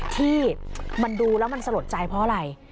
ที่มันดูแล้วมันสลดใจเพราะอะไร